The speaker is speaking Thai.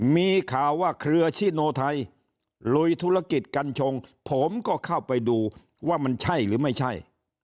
มีข่าวว่าเครือชิโนไทยลุยธุรกิจกัญชงผมก็เข้าไปดูว่ามันใช่หรือไม่ใช่